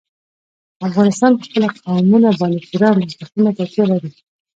افغانستان په خپلو قومونه باندې پوره او مستقیمه تکیه لري.